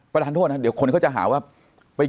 ประทานโทษนะครับคนเขาจะหาว่า